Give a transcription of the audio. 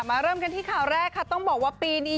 เริ่มกันที่ข่าวแรกค่ะต้องบอกว่าปีนี้